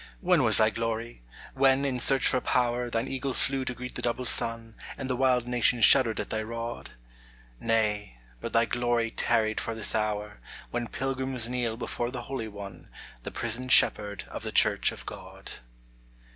When was thy glory ! when in search for power Thine eagles flew to greet the double sun, And the wild nations shuddered at thy rod ? Nay, but thy glory tarried for this hour, When pilgrims kneel before the Holy One, The prisoned shepherd of the Church of God.